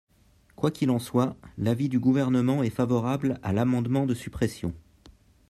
Quoi qu’il en soit, l’avis du Gouvernement est favorable à l’amendement de suppression.